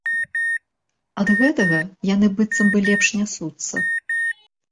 Ад гэтага яны быццам бы лепш нясуцца.